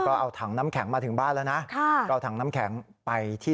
ก็เอาถังน้ำแข็งมาถึงบ้านแล้วนะค่ะก็เอาถังน้ำแข็งไปที่